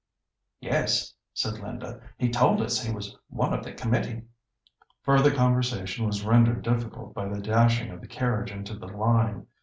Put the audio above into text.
"Yes," said Linda; "he told us he was one of the committee." Further conversation was rendered difficult by the dashing of the carriage into the "line."